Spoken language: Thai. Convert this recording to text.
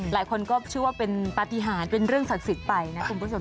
หลายคนก็เชื่อว่าเป็นปฏิหารเป็นเรื่องศักดิ์สิทธิ์ไปนะคุณผู้ชม